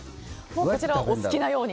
こちらはお好きなように。